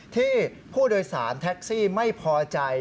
ที่ผู้โดยสารแท็กซี่ไม่พอใจ